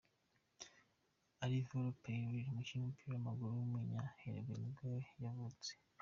Álvaro Pereira, umukinnyi w’umupira w’amaguru w’umunya Uruguay nibwo yavutse.